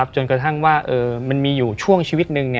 จนกระทั่งว่ามันมีอยู่ช่วงชีวิตหนึ่ง